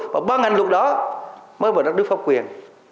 và ban hành luật đó mới vào đất nước pháp quyền